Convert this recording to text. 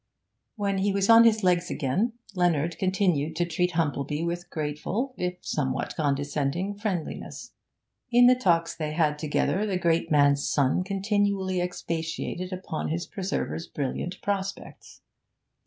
When he was on his legs again, Leonard continued to treat Humplebee with grateful, if somewhat condescending, friendliness. In the talks they had together the great man's son continually expatiated upon his preserver's brilliant prospects.